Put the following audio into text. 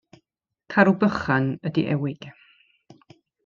Carw bychan ydy ewig.